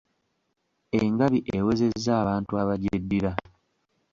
Engabi ewezezza abantu abagyeddira.